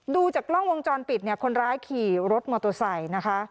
ดูจากกล้องวงจรปิดเนี่ยคนร้ายขี่รถมอเตอร์ไซค์นะคะ